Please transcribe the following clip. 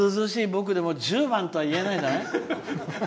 僕でも「１０番」とは言えないじゃない。